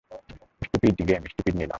Stupid game stupid নিলাম।